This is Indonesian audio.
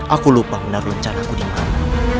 aku lupa benar rencana aku dimana